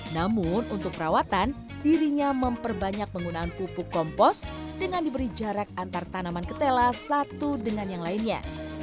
namun untuk perawatan dirinya memperbanyak penggunaan pupuk kompos dengan diberi jarak antar tanaman ketela satu dengan yang lainnya